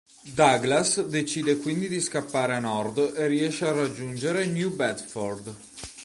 Douglass decide quindi di scappare a Nord e riesce a raggiungere New Bedford.